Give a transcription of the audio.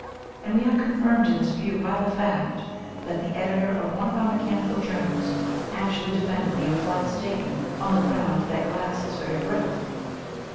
And we are confirmed in this view by the fact that the editor of one of our mechanical journals actually defended the implied statement on the ground that glass is very brittle!